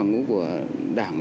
ngũ của đảng